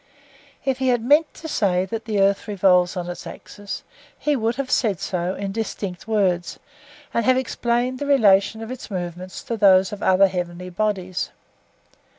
If he had meant to say that the earth revolves on its axis, he would have said so in distinct words, and have explained the relation of its movements to those of the other heavenly bodies.